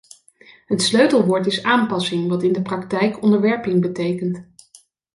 Het sleutelwoord is aanpassing, wat in de praktijk onderwerping betekent.